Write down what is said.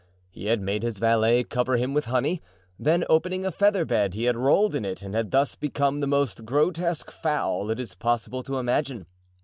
He had made his valet cover him with honey; then, opening a feather bed, he had rolled in it and had thus become the most grotesque fowl it is possible to imagine.